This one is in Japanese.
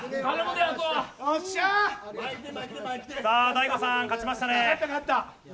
大悟さん、勝ちましたね。